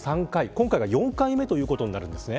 今回が４回目ということになるんですね。